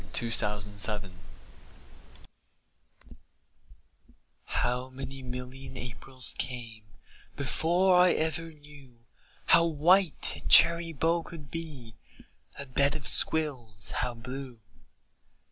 Part I Blue Squills How many million Aprils came Before I ever knew How white a cherry bough could be, A bed of squills, how blue!